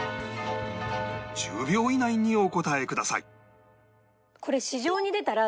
１０秒以内にお答えください